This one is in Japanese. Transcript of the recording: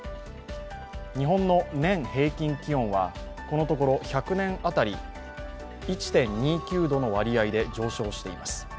日本の年平均気温はこのところ１００年当たり１．２９度の割合で上昇しています。